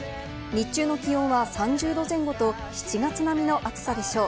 日中の気温は３０度前後と７月並みの暑さでしょう。